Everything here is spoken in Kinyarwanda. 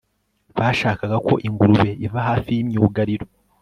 bashakaga ko ingurube iva hafi y'imyugariro